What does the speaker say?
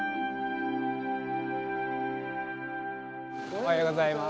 おはようございます。